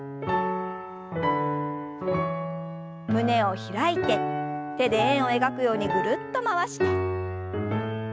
胸を開いて手で円を描くようにぐるっと回して。